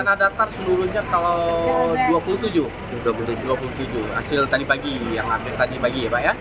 hasil tadi pagi yang tadi pagi ya pak ya